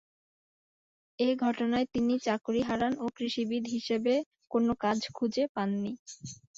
এ ঘটনায় তিনি চাকুরী হারান ও কৃষিবিদ হিসেবে কোন কাজ খুঁজে পাননি।